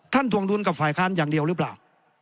ทวงดุลกับฝ่ายค้านอย่างเดียวหรือเปล่า